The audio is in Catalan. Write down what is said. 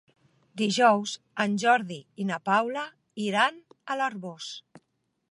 Dijous en Jordi i na Paula iran a l'Arboç.